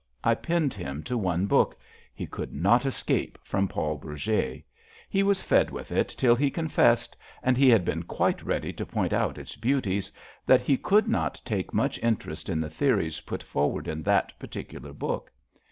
I pinned him to one book. He could not escape from Paul Bourget. He was fed with it till he confessed— and he had been quite ready to point out its beauties — ^that we could not take much interest in the theories put forward in that particular book.